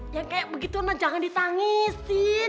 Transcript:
yang kayak begitu jangan ditangisin